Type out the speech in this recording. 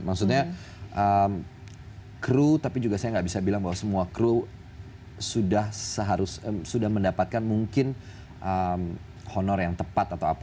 maksudnya kru tapi juga saya nggak bisa bilang bahwa semua crew sudah seharusnya sudah mendapatkan mungkin honor yang tepat atau apa